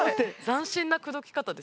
斬新な口説き方ですね。